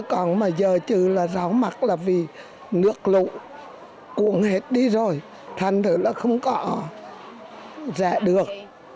các loại củ cuồng hết đi rồi thẳng thử là không có giá được